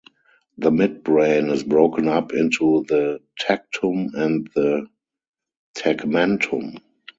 The midbrain is broken up into the tectum and the tegmentum.